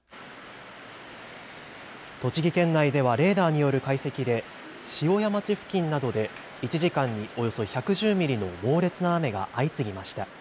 栃木県内ではレーダーによる解析で塩谷町付近などで１時間におよそ１１０ミリの猛烈な雨が相次ぎました。